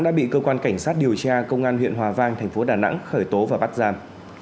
đã bị cơ quan cảnh sát điều tra công an huyện hòa vang thành phố đà nẵng khởi tố và bắt giam